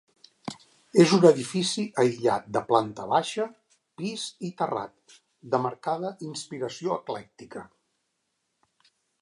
És un edifici aïllat de planta baixa, pis i terrat, de marcada inspiració eclèctica.